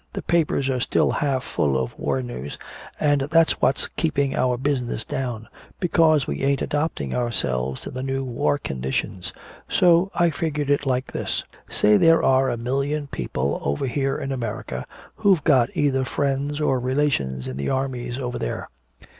"The papers are still half full of war news, and that's what's keeping our business down because we ain't adopting ourselves to the new war conditions. So I figured it like this. Say there are a million people over here in America who've got either friends or relations in the armies over there.